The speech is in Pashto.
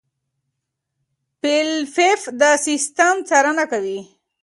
فېلېپ د سیستم څارنه کوي.